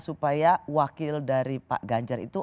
supaya wakil dari pak ganjar itu